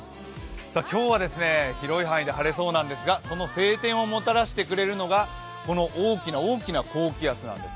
今日は広い範囲で晴れそうなんですが、その晴天をもたらしてくれるのは、この大きな大きな高気圧なんです。